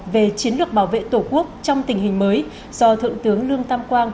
về chiến lược bảo vệ tổ quốc trong tình hình mới do thượng tướng lương tam quang